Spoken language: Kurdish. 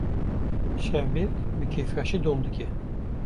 Şevbêrk bi kêfxweşî dom dike.